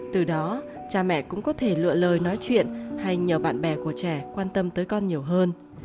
từ đó cha mẹ cũng có thể lựa lời nói chuyện hay nhờ bạn bè của trẻ quan tâm tới con nhiều hơn